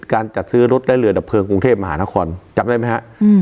การจัดซื้อรถและเรือดับเพลิงกรุงเทพมหานครจำได้ไหมฮะ